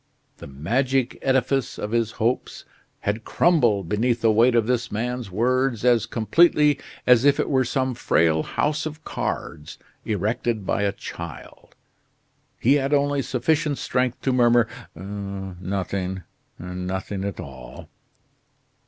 The magic edifice of his hopes had crumbled beneath the weight of this man's words as completely as if it were some frail house of cards erected by a child. He had only sufficient strength to murmur: "Nothing nothing at all."